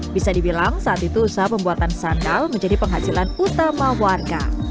bisa dibilang saat itu usaha pembuatan sandal menjadi penghasilan utama warga